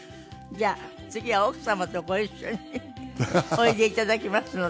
じゃあ次は奥様とご一緒においでいただきますので。